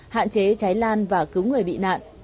hạn chế cháy lan và cứu người bị nạn